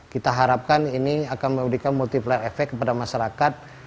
kita harapkan ini akan memberikan multiplier efek kepada masyarakat